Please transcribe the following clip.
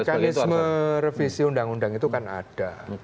mekanisme revisi undang undang itu kan ada